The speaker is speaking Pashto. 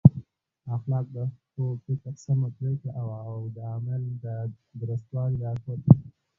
اخلاق د ښو فکر، سمه پرېکړه او د عمل د درستوالي لارښود دی.